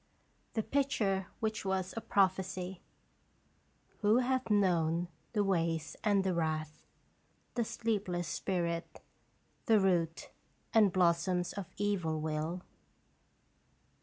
The Picture Which Was a Prophecy. ' Who hath known the ways and the wrath, The sleepless spirit, the root And blossom of evil will?"